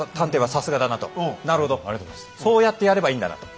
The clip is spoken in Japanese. なるほどそうやってやればいいんだなと。